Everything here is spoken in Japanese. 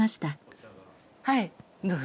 はい。